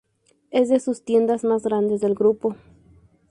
Es de sus tiendas más grandes del grupo.